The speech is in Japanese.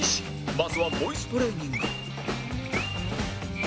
まずはボイストレーニング